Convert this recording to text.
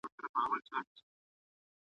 د خپل زاړه معلم ابلیس مخي ته .